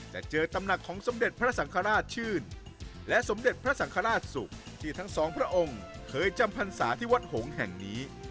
แต่เจอตำหนักของสมเด็จพระสังฆราชชื่นและสมเด็จพระสังฆราชสุขที่ทั้งสองพระองค์เคยจำพรรษาที่วัดหงษ์แห่งนี้